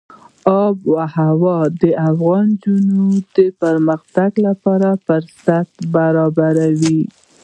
آب وهوا د افغان نجونو د پرمختګ لپاره فرصتونه برابروي.